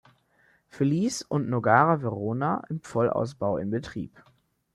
Felice und Nogara–Verona im Vollausbau in Betrieb.